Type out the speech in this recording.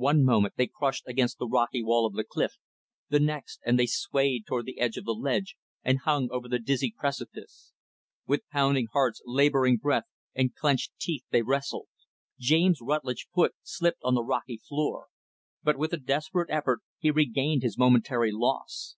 One moment they crushed against the rocky wall of the cliff the next, and they swayed toward the edge of the ledge and hung over the dizzy precipice. With pounding hearts, laboring breath, and clenched teeth they wrestled. James Rutlidge's foot slipped on the rocky floor; but, with a desperate effort, he regained his momentary loss.